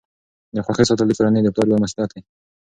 د خوښۍ ساتل د کورنۍ د پلار یوه مسؤلیت ده.